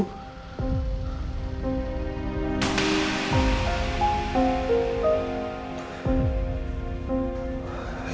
aku mau ke sana